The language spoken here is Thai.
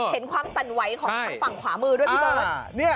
เห็นความสั่นไหวของทางฝั่งขวามือด้วยพี่เบิร์ต